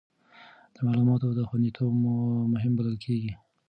د معلوماتو خوندیتوب مهم بلل کېږي.